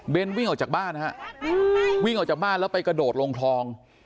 วิ่งออกจากบ้านฮะวิ่งออกจากบ้านแล้วไปกระโดดลงคลอง